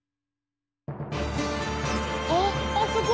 あっあそこ